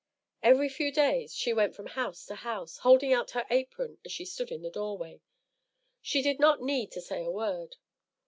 Every few days, she went from house to house, holding out her apron as she stood in the doorway. She did not need to say a word.